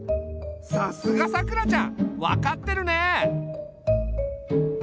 さすがさくらちゃん分かってるねえ！